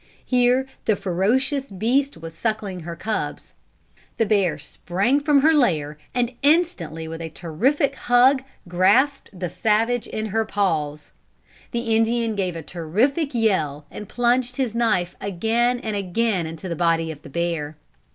Here the ferocious beast was suckling her cubs. The bear sprang from her lair, and instantly with a terrific hug grasped the savage in her paws. The Indian gave a terrific yell and plunged his knife again and again into the body of the bear.